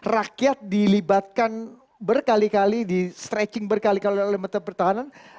rakyat dilibatkan berkali kali di stretching berkali kali oleh menteri pertahanan